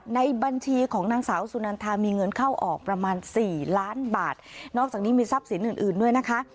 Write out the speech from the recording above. ในบัญชีของนางสาวสุนันทามีเงินเข้าออกประมาณสี่ล้านบาทนอกจากนี้มีทรัพย์สินอื่นอื่นด้วยนะคะ